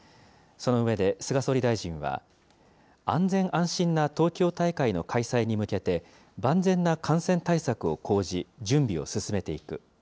その上で、菅総理大臣は、安全安心な東京大会の開催に向けて、万全な感染対策を講じ、準備を進めていく。